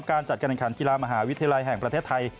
การจัดการแข่งขันกีฬามหาวิทยาลัยแห่งประเทศไทย